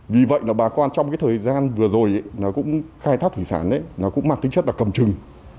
vì vậy bà quan trong thời gian vừa rồi khai thác thủy sản cũng mặc tính chất là cầm trừng